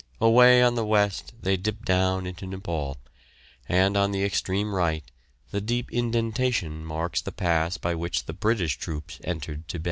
Away on the west they dip down into Nepaul, and on the extreme right the deep indentation marks the pass by which the British troops entered Tibet.